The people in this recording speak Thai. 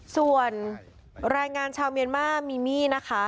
ส่วนแรงงานชาวเมียนมามีมี่นะคะ